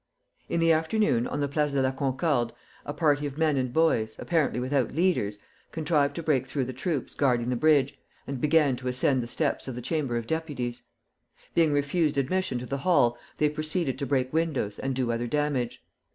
In the afternoon, on the Place de la Concorde, a party of men and boys, apparently without leaders, contrived to break through the troops guarding the bridge, and began to ascend the steps of the Chamber of Deputies. Being refused admission to the hall, they proceeded to break windows and do other damage.